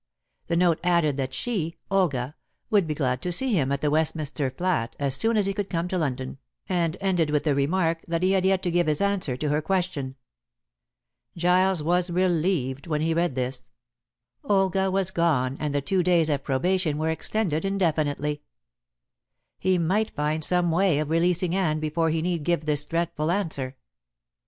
The note added that she Olga would be glad to see him at the Westminster flat as soon as he could come to London, and ended with the remark that he had yet to give his answer to her question. Giles was relieved when he read this. Olga was gone, and the two days of probation were extended indefinitely. He might find some way of releasing Anne before he need give this dreadful answer.